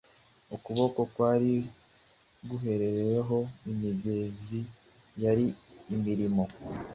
Ukuboko kwari guhuriweho imigezi yari irimo